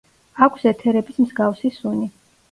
აქვს ეთერების მსგავსი სუნი.